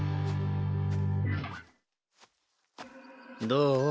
どう？